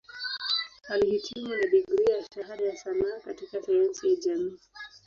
Alihitimu na digrii ya Shahada ya Sanaa katika Sayansi ya Jamii.